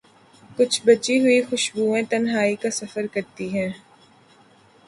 کچھ بچی ہوئی خوشبویں تنہائی کا سفر کرتی ہیں۔